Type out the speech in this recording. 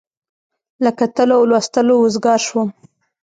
له کتلو او لوستلو وزګار شوم.